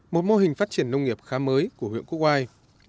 một mô hình phát triển nông nghiệp khá mới của huyện quốc oai